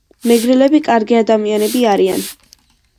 მეგრელბი კარგი ადამიანები არიან.